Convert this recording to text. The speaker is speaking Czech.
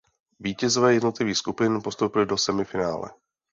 Vítězové jednotlivých skupin postoupili do semifinále.